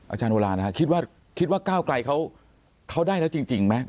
อาจารย์โอลาคิดว่าก้าวกลายเขาได้แล้วจริงไหม